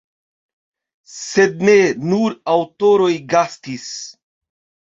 Sed ne nur aŭtoroj gastis.